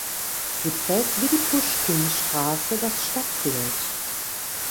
Sie prägt wie die Puschkinstraße das Stadtbild.